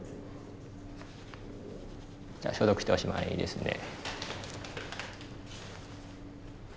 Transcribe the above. じゃあ消毒しておしまいですね。